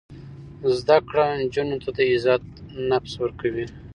زده کړه نجونو ته د عزت نفس ورکوي.